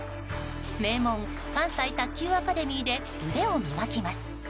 名門・関西卓球アカデミーで腕を磨きます。